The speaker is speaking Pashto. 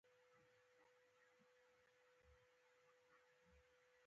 په پښتو کې د هندي سبک شاعرۍ ځاتګړنې دي.